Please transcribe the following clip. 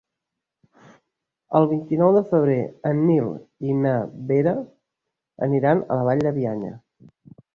El vint-i-nou de febrer en Nil i na Vera aniran a la Vall de Bianya.